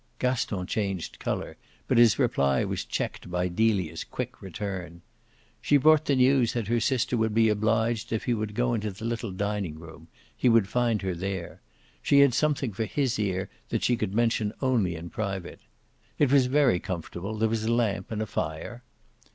Gaston changed colour, but his reply was checked by Delia's quick return. She brought the news that her sister would be obliged if he would go into the little dining room he would find her there. She had something for his ear that she could mention only in private. It was very comfortable; there was a lamp and a fire.